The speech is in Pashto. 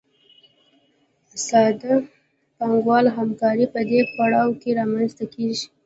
ساده پانګوالي همکاري په دې پړاو کې رامنځته کېږي